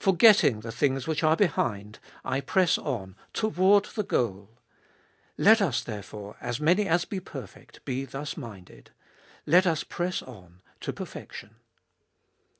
Forgetting the things which are behind, I press on toward the goal. Let us, therefore, as many as be perfect, be thus minded. Let us press on to perfection.